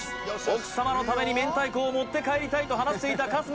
奥様のために明太子を持って帰りたいと話していた春日